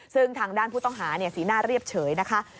ซึ่งทางด้านผู้ต้องหาสีหน้าเรียบเฉยนะคะ